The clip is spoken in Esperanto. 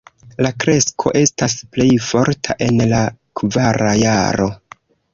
La kresko estas plej forta en la kvara jaro.